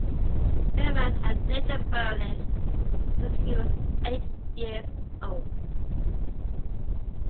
Erdmann had lived in Berlin since he was eight years old.